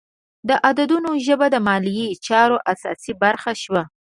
د عددونو ژبه د مالي چارو اساسي برخه شوه.